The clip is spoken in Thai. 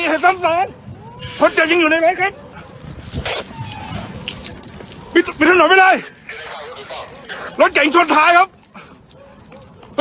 เห็นซ้ำซ้ำเพราะเจ็บยังอยู่ในมีทางหน่อยไม่ได้รถแก่งช้อนท้ายครับ